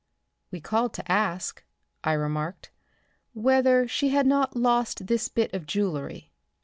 "We called to ask," I remarked, "whether she had not lost this bit of jewelry."